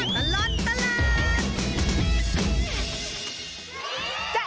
ช่วงตลอดตลาด